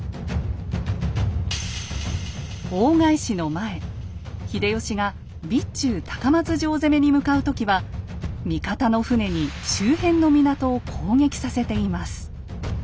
大返しの前秀吉が備中高松城攻めに向かう時は味方の船に周辺の港を攻撃させています。